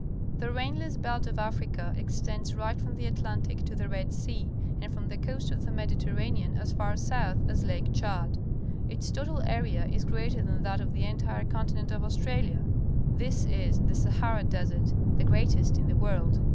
The rainless belt of Africa extends right from the Atlantic to the Red Sea, and from the coast of the Mediterranean as far south as Lake Chad. Its total area is greater than that ot the entire continent of Australia. This is the Sahara Desert, the greatest in the world.